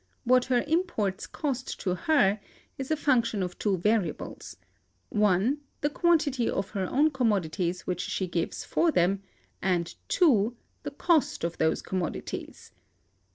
What her imports cost to her is a function of two variables: (1) the quantity of her own commodities which she gives for them, and (2) the cost of those commodities.